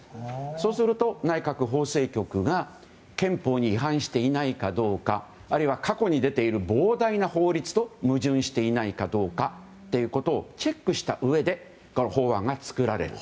そうすると内閣法制局が憲法に違反していないかどうかあるいは、過去に出ている膨大な法律と矛盾していないかということをチェックしたうえで法案が作られる。